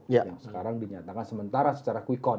yang sekarang dinyatakan sementara secara quickon